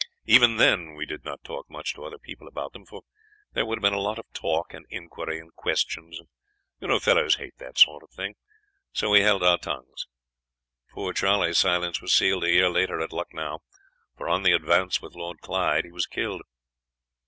Even then we did not talk much to other people about them, for there would have been a lot of talk, and inquiry, and questions, and you know fellows hate that sort of thing. So we held our tongues. Poor Charley's silence was sealed a year later at Lucknow, for on the advance with Lord Clyde he was killed.